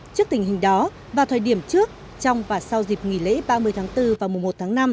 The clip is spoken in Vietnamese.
trước tình hình đó vào thời điểm trước trong và sau dịp nghỉ lễ ba mươi tháng bốn và mùa một tháng năm